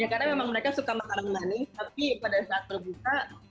ya karena memang mereka suka makanan manis tapi pada saat terbuka